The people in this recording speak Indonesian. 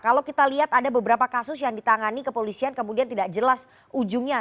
kalau kita lihat ada beberapa kasus yang ditangani kepolisian kemudian tidak jelas ujungnya